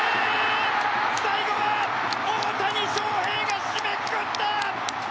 最後は大谷翔平が締めくくった！